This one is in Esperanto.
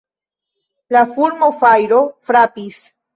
La fulmofajro frapis.